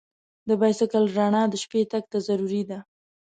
د بایسکل رڼا د شپې تګ ته ضروري ده.